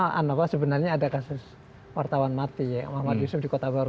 karena sebenarnya ada kasus wartawan mati ya muhammad yusuf di kota baru